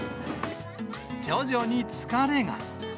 徐々に疲れが。